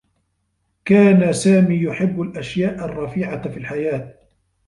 كان سامي يحبّ الأشياء الرّفيعة في الحياة.